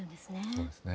そうですね。